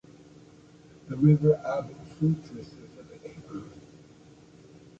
The river Abu Futrus is in the neighbourhood.